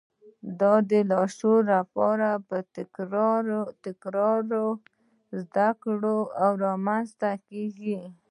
دا د لاشعور لپاره په تکراري زده کړو رامنځته کېږي